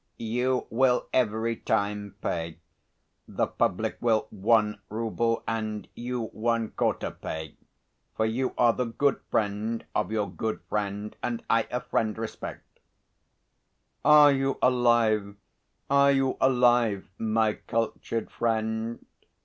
"You will every time pay; the public will one rouble, and you one quarter pay; for you are the good friend of your good friend; and I a friend respect...." "Are you alive, are you alive, my cultured friend?"